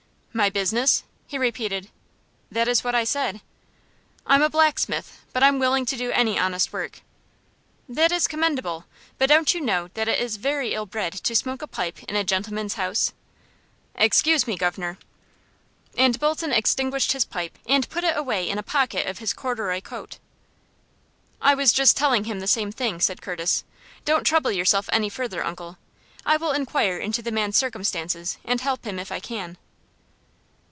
"My business?" he repeated. "That is what I said." "I'm a blacksmith, but I'm willing to do any honest work." "That is commendable; but don't you know that it is very ill bred to smoke a pipe in a gentleman's house?" "Excuse me, governor!" And Bolton extinguished his pipe, and put it away in a pocket of his corduroy coat. "I was just telling him the same thing," said Curtis. "Don't trouble yourself any further, uncle. I will inquire into the man's circumstances, and help him if I can."